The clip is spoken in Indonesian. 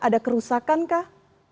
ada kerusakan kah